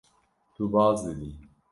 Tu baz didî.